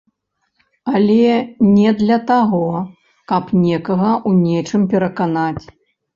Але не для таго, каб некага ў нечым пераканаць.